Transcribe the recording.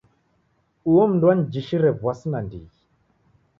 Uo mndu wanijishire w'asi nandighi.